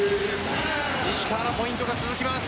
石川のポイントがつきます。